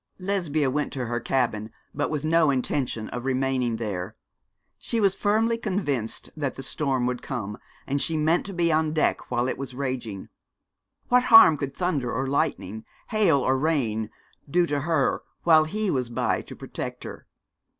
Lesbia went to her cabin, but with no intention of remaining there. She was firmly convinced that the storm would come, and she meant to be on deck while it was raging. What harm could thunder or lightning, hail or rain, do to her while he was by to protect her?